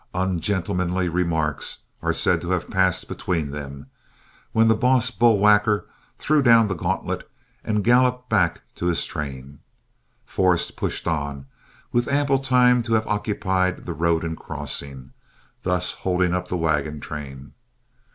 Ungentlemanly remarks are said to have passed between them, when the boss bull whacker threw down the gauntlet and galloped back to his train. Forrest pushed on, with ample time to have occupied the road in crossing, thus holding up the wagon train.